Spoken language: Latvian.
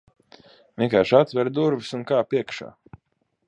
Vienkārši atver durvis, un kāp iekšā.